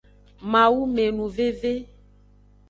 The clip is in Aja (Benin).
Mawumenuveve.